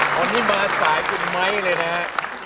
วันนี้มาสายคุณไม้เลยนะฮะ